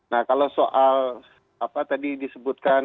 nah kalau soal apa tadi disebutkan